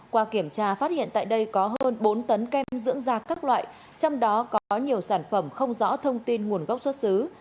qua kiểm tra phát hiện tại đây có hơn bốn tấn kem dưỡng da các loại trong đó có nhiều sản phẩm không rõ thông tin nguồn gốc xuất xứ